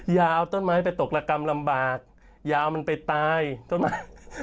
ยาวเอาต้นไม้ไปตกระกำลำบากยาวมันไปตายต้นไม้